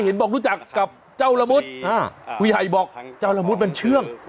เห็นบอกรู้จักกับเจ้าละมุดผู้ใหญ่บอกเจ้าละมุดมันเชื่อง